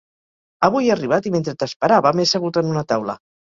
Avui he arribat i mentre t’esperava m’he assegut en una taula.